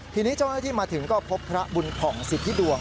ทีนี้เจ้าหน้าที่มาถึงก็พบพระบุญผ่องสิทธิดวง